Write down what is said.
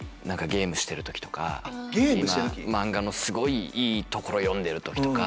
ゲームしてる時⁉漫画のすごいいいところ読んでる時とか。